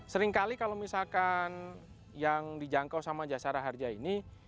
seringkali kalau misalkan yang dijangkau sama jasa raharja ini